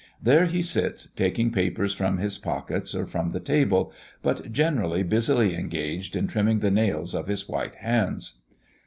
There he sits, taking papers from his pockets or from the table, but generally busily engaged in trimming the nails of his white hands.